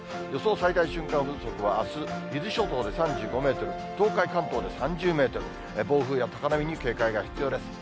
最大瞬間風速はあす、伊豆諸島で３５メートル、東海、関東で３０メートル、暴風や高波に警戒が必要です。